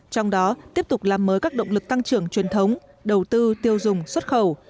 trong đó tiếp tục làm mới các động lực tăng trưởng truyền thống đầu tư tiêu dùng xuất khẩu